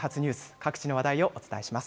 各地の話題をお伝えします。